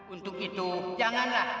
untuk itu janganlah